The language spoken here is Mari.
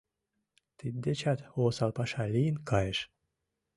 — Тиддечат осал паша лийын кайыш.